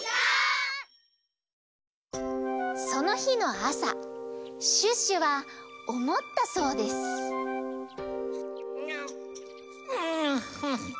そのひのあさシュッシュはおもったそうですんんん。